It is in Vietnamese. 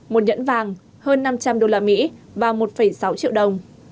một nhẫn vàng hơn năm trăm linh usd và một sáu triệu đồng